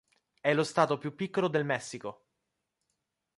È lo stato più piccolo del Messico.